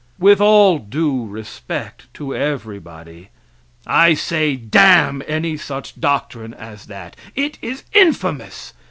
With all due respect to everybody, I say, damn any such doctrine as that. It is infamous!